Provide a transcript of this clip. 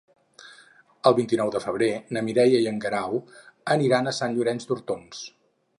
El vint-i-nou de febrer na Mireia i en Guerau aniran a Sant Llorenç d'Hortons.